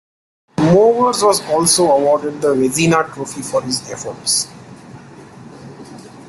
Mowers was also awarded the Vezina Trophy for his efforts.